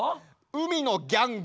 海のギャング。